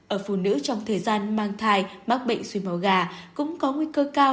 ở phụ nữ trong thời gian mang thai mắc bệnh suy màu gà cũng có nguy cơ cao